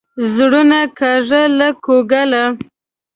زړونه کاږي له کوګله.